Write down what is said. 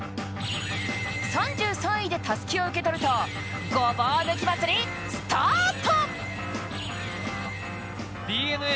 ３３位でたすきを受け取るとごぼう抜き祭りスタート！